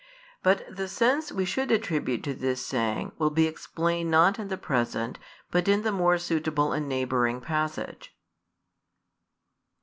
But the sense we should attribute to this saying will be explained not in the present but in the more suitable and neighbouring passage.